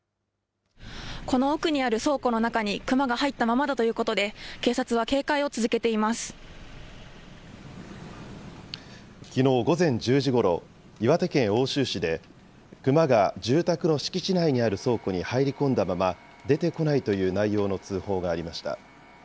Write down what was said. この奥にある倉庫の中にクマが入ったままだということで、警きのう午前１０時ごろ、岩手県奥州市で、クマが住宅の敷地内にある倉庫に入り込んだまま出てこないという内容の通報がありました。